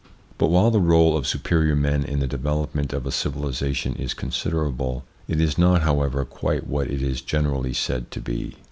But while the role of superior men in the develop ment of a civilisation is considerable, it is not, how ever, quite what it is generally said to be.